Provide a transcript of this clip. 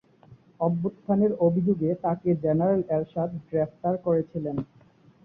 অভ্যুত্থানের অভিযোগে তাকে জেনারেল এরশাদ গ্রেপ্তার করেছিলেন।